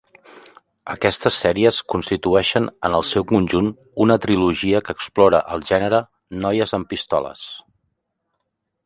Aquestes sèries constitueixen en el seu conjunt una trilogia que explora el gènere "noies amb pistoles".